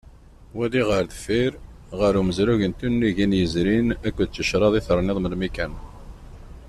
Wali ɣer deffir, ɣer umezruy n tunigin yezrin akked ticraḍ i terniḍ melmi kan.